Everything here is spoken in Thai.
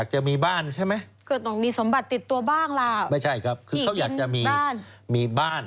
อ๋อใช่